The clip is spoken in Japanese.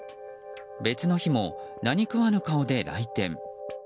別の日も、何食わぬ顔で来店。